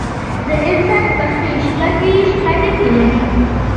د انسان پښې شپږ ویشت هډوکي لري.